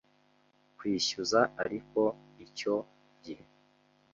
kwishyuza. Ariko icyo gihe